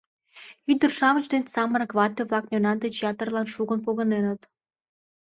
Ӱдыр-шамыч ден самырык вате-влак мемнан деч ятырлан шукын погыненыт.